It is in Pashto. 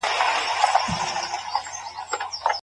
د چا ميراث نه ورکول لويه ګناه ده.